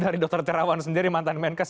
dari dr terawan sendiri mantan menkes